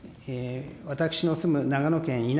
私の住む長野県いな